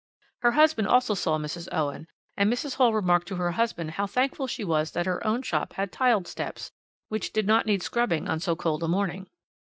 Her husband also saw Mrs. Owen, and Mrs. Hall remarked to her husband how thankful she was that her own shop had tiled steps, which did not need scrubbing on so cold a morning.